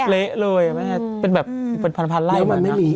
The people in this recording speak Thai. เละเลยเป็นแบบเป็นพันธุ์ไล่